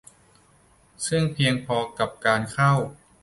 ซึ่งเพียงพอกับการเข้า